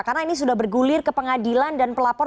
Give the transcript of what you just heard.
karena ini sudah bergulir ke pengadilan dan pelapor